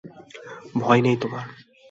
ভয় নেই তোমার।